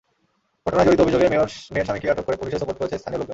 ঘটনায় জড়িত অভিযোগে মেয়ের স্বামীকে আটক করে পুলিশে সোপর্দ করেছে স্থানীয় লোকজন।